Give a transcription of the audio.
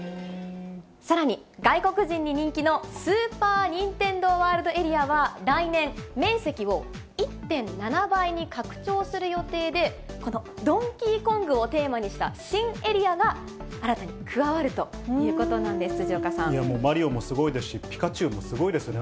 さらに外国人に人気のスーパー・ニンテンドー・ワールドエリアは、来年、面積を１．７倍に拡張する予定で、このドンキーコングをテーマにした新エリアが新たに加わるということなんです、マリオもすごいですし、ピカチュウもすごいですね。